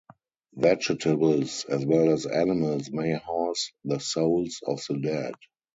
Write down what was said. Vegetables as well as animals may house the souls of the dead.